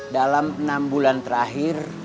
dalam enam bulan terakhir